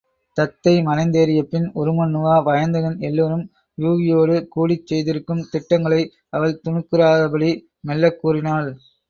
தத்தை மனந்தேறியபின் உருமண்ணுவா, வயந்தகன், எல்லோரும் யூகியோடு கூடிச் செய்திருக்கும் திட்டங்களை அவள் துணுக்குறாதபடி மெல்லக் கூறினாள்.